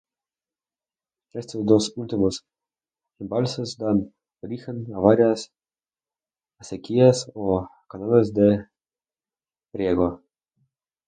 Estos dos últimos embalses dan origen a varias acequias o canales de riego.